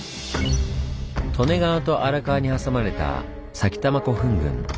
利根川と荒川に挟まれた埼玉古墳群。